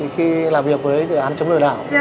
khi làm việc với dự án chống lừa đảo